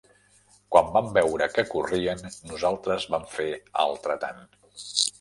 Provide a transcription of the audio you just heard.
Quan vam veure que corrien, nosaltres vam fer altre tant.